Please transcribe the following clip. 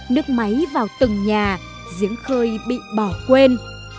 nước máy vào từng nhà giếng khơi bị bỏ quên